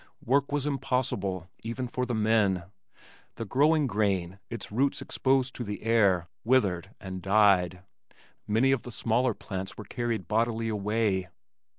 Work was impossible, even for the men. The growing grain, its roots exposed to the air, withered and died. Many of the smaller plants were carried bodily away.